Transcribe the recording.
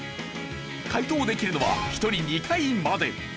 解答できるのは１人２回まで。